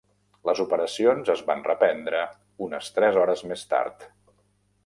Les operacions es van reprendre unes tres hores més tard.